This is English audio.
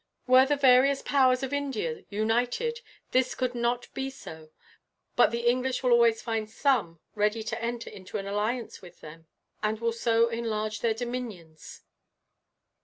"Were the various powers of India united, this could not be so; but the English will always find some ready to enter into an alliance with them, and will so enlarge their dominions.